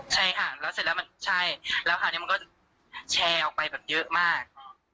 ใช่ค่ะแล้วเสร็จแล้วมันใช่แล้วคราวนี้มันก็แชร์ออกไปแบบเยอะมาก